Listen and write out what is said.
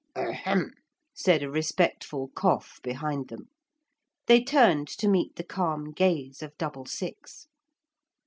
'Ahem!' said a respectful cough behind them. They turned to meet the calm gaze of Double six.